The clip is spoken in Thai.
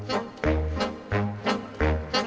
ไข่ไก่โอเยี่ยมอ้างอร่อยแท้อยากกิน